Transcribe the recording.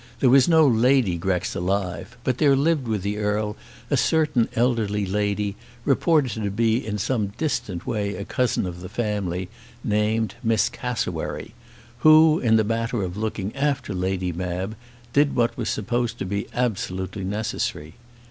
There was no Lady Grex alive, but there lived with the Earl a certain elderly lady, reported to be in some distant way a cousin of the family, named Miss Cassewary, who, in the matter of looking after Lady Mab, did what was supposed to be absolutely necessary.